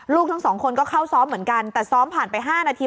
ทั้งสองคนก็เข้าซ้อมเหมือนกันแต่ซ้อมผ่านไป๕นาที